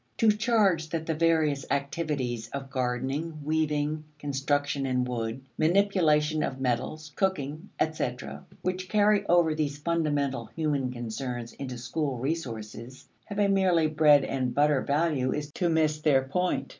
To charge that the various activities of gardening, weaving, construction in wood, manipulation of metals, cooking, etc., which carry over these fundamental human concerns into school resources, have a merely bread and butter value is to miss their point.